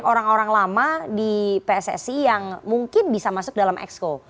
karena ada orang lama di pssi yang mungkin bisa masuk dalam exco